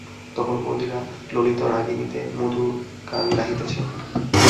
তখন বন্দীরা ললিত রাগিণীতে মধুর গান গাহিতেছে।